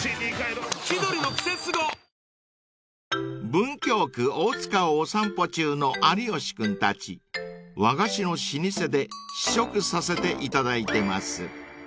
［文京区大塚をお散歩中の有吉君たち和菓子の老舗で試食させていただいてます］